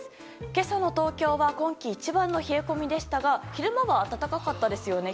今朝の東京は今季一番の冷え込みでしたが昼間は暖かかったですよね。